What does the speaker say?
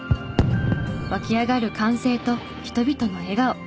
沸き上がる歓声と人々の笑顔。